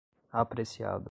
apreciado